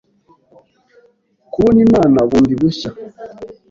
kubona Imana bundi bushya